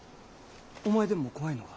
お前でも怖いのか？